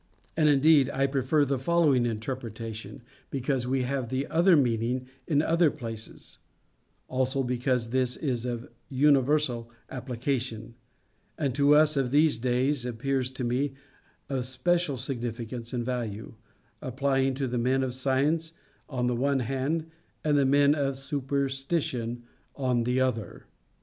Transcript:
And indeed I prefer the following interpretation, because we have the other meaning in other places; also because this is of universal application, and to us of these days appears to me of special significance and value, applying to the men of science on the one hand, and the men of superstition on the other.